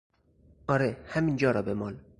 آره، همینجا را بمال!